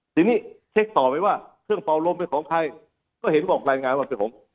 ทีนี้เช็คต่อไปว่าเครื่องเป่าลมเป็นของใครก็เห็นบอกรายงานว่าเป็นผม